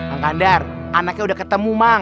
bang kandar anaknya udah ketemu mang